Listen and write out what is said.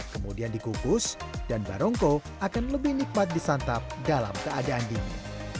kemudian dikukus dan barongko akan lebih nikmat disantap dalam keadaan dingin